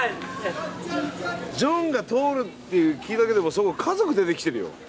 ジョンが通るって聞いただけでそこ家族出てきてるよ。